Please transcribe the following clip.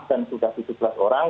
dan sudah tujuh belas orang